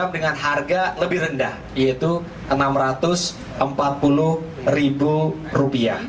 dengan harga lebih rendah yaitu rp enam ratus empat puluh